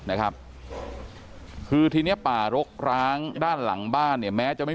นะครับคือทีเนี้ยป่ารกร้างด้านหลังบ้านเนี่ยแม้จะไม่